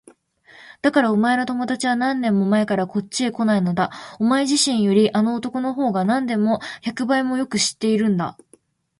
だからお前の友だちは何年も前からこっちへこないのだ。お前自身よりあの男のほうがなんでも百倍もよく知っているんだ。